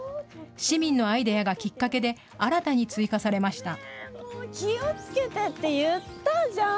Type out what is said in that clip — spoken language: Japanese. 市民のアイデアがきっかけで新たに追加されました。